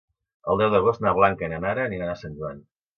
El deu d'agost na Blanca i na Nara aniran a Sant Joan.